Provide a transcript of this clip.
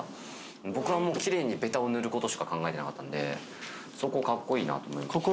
僕はキレイにベタを塗ることしか考えなかったんでそこカッコいいなと思いました。